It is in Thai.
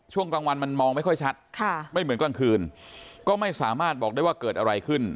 ช่วงกลางวันมันมองไม่ค่อยชัดค่ะไม่เหมือนกลางคืนก็ไม่สามารถบอกได้ว่าเกิดอะไรขึ้น